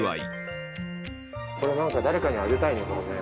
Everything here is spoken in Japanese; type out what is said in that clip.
これ誰かにあげたいね。